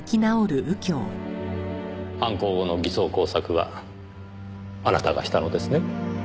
犯行後の偽装工作はあなたがしたのですね？